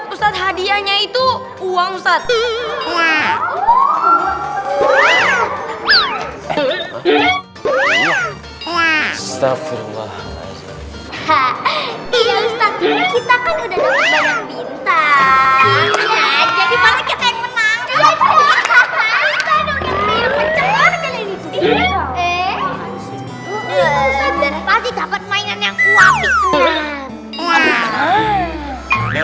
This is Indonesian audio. ustadz ustadz hadiahnya itu uang zat